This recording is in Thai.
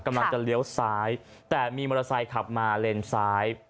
เลี้ยวซ้ายแต่มีมอเตอร์ไซค์ขับมาเลนซ้าย